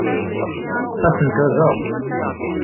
Atent-a da.